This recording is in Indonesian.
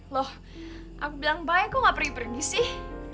loh aku bilang bye kok nggak pergi pergi sih